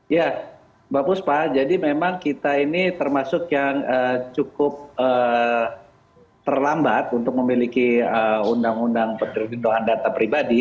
ya mbak puspa jadi memang kita ini termasuk yang cukup terlambat untuk memiliki undang undang perlindungan data pribadi